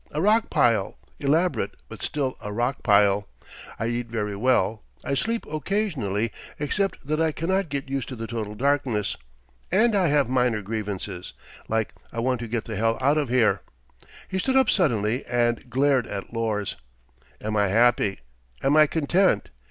A rock pile. Elaborate, but still a rock pile. I eat very well. I sleep occasionally, except that I cannot get used to the total darkness, and I have minor grievances ... like I want to get the hell out of here!" He stood up suddenly and glared at Lors. "Am I happy! Am I content!